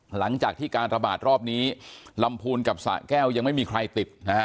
หลังจากที่การระบาดรอบนี้ลำพูนกับสะแก้วยังไม่มีใครติดนะฮะ